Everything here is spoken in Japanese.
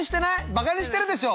バカにしてるでしょ！